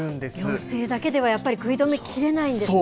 行政だけではやっぱり食い止めきれないんですね。